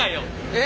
えっ？